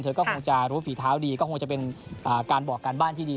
เธอก็คงจะรู้ฝีเท้าดีก็คงจะเป็นการบอกการบ้านที่ดี